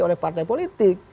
oleh partai politik